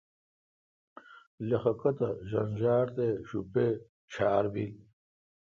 لخہ کتہ ݫنݫار تے شوپے تے ڄھار بیل۔